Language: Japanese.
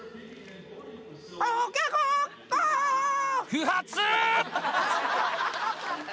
不発！